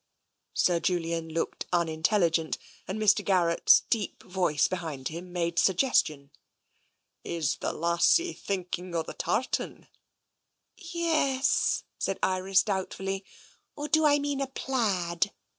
Sir Julian looked unintelligent and Mr. Garrett's deep voice behind him made suggestion. " Is the lassie thinking of the tartan? "" Ye es," said Iris doubtfully. Or do I mean a plaid?"